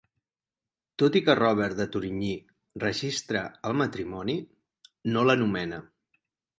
Tot i que Robert de Torigny registra el matrimoni, no l'anomena.